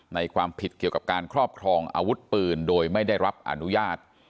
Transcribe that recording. ความผิดเกี่ยวกับการครอบครองอาวุธปืนโดยไม่ได้รับอนุญาต